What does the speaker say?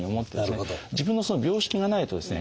自分の病識がないとですね